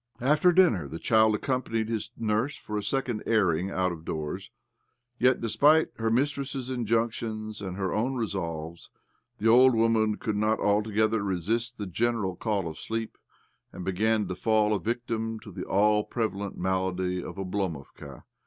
After dinner the child accompanied his nurse for a second airing out of doors. Yet, despite her mistress's injunctions and her own resolves, the old woman could not alto gether resist the general call of sleep, and began to fall a victim to the all prevalent malady of Oblomovka.